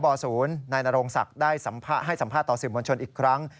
พบศูนย์นายนโรงศักดิ์ได้สัมภาษณ์ให้สัมภาษณ์ต่อสิมวลชนอีกครั้ง